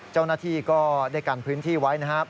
เจ้าหน้าที่ก็ได้กันพื้นที่ไว้นะครับ